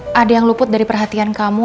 ya barangkali ada yang luput dari perhatian kamu